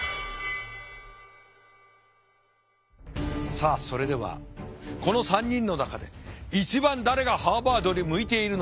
さあそれではこの３人の中で一番誰がハーバードに向いているのか。